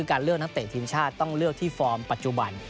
การเลือกนักเตะทีมชาติต้องเลือกที่ฟอร์มปัจจุบัน